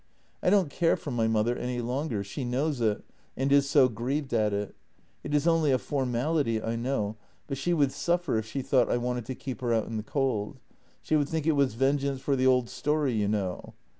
I don't care for my mother any longer — she knows it, and is so grieved at it. It is only a formality, I know, but she would suffer if she thought I wanted to keep her out in the cold. She would think it was vengeance for the old story, you know.